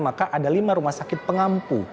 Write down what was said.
maka ada lima rumah sakit pengampu